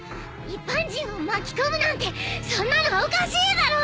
一般人を巻き込むなんてそんなのおかしいだろ！